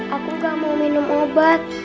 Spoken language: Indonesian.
aku gak mau minum obat